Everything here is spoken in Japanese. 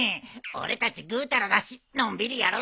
俺たちぐうたらだしのんびりやろうぜ。